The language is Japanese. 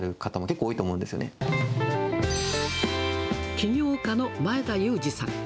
起業家の前田裕二さん。